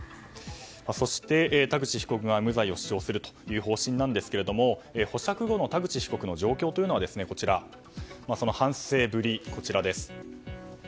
そして、田口被告が無罪を主張するという方針なんですが保釈後の田口被告の状況や反省ぶりはこちら。